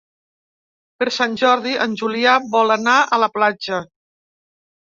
Per Sant Jordi en Julià vol anar a la platja.